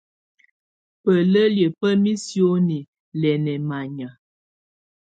Bələliə ba misioni lɛ nɛmannya.